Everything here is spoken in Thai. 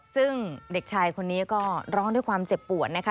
ซึ่งเด็กชายคนนี้ก็ร้องด้วยความเจ็บปวดนะคะ